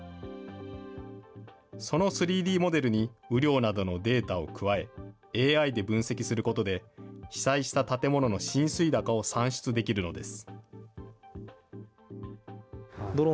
その３Ｄモデルに、雨量などのデータを加え、ＡＩで分析することで、被災した建物の浸水高を算出できるのです。